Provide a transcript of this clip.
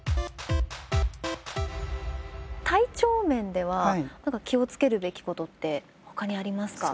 体調面では気を付けるべきことってほかにありますか？